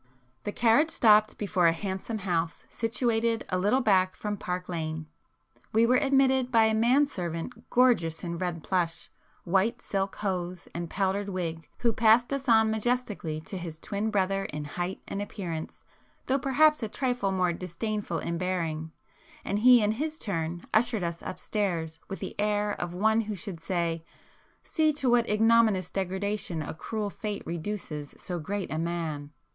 The carriage stopped before a handsome house situated a little back from Park Lane. We were admitted by a man servant gorgeous in red plush, white silk hose and powdered wig, who passed us on majestically to his twin brother in height and appearance, though perhaps a trifle more disdainful in bearing, and he in his turn ushered us upstairs with the air of one who should say "See to what ignominious degradation a cruel fate reduces so great a man!"